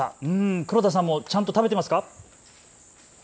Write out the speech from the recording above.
黒田さんもちゃんと食べていますか。